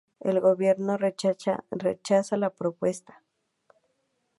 El gobierno rechaza la propuesta.